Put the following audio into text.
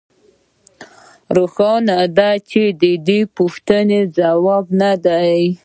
روښانه ده چې د دې پوښتنې ځواب نه دی